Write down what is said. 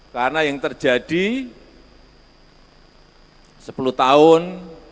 karena yang terjadi sepuluh tahun